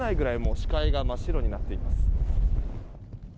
視界が真っ白になっています。